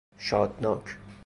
شادناک